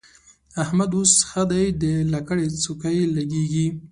احمد اوس ښه دی؛ د لکړې څوکه يې لګېږي.